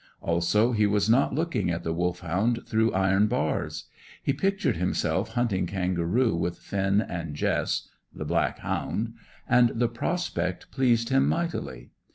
Also, he was not looking at the Wolfhound through iron bars. He pictured himself hunting kangaroo with Finn and Jess (the black hound), and the prospect pleased him mightily.